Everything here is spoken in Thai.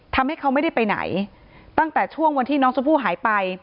ทำให้เขาไม่ได้ไปไหนตั้งแต่ช่วงวันที่น้องชมพู่หายไป